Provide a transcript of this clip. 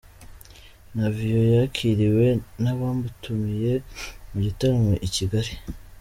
Navio yakiriwe nabamutumiye mu gitaramo i Kigali.